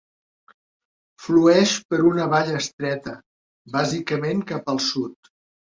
Flueix per una vall estreta, bàsicament cap al sud.